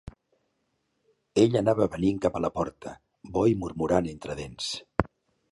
Ell anava venint cap a la porta, bo i murmurant entre dents